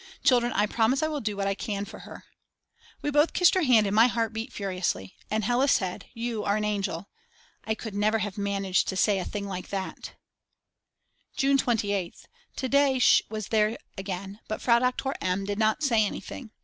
Children I promise I will do what I can for her." We both kissed her hand and my heart beat furiously. And Hella said: "You are an angel." I could never have managed to say a thing like that. June 28th. To day Sch. was there again, but Frau Doktor M. did not say anything.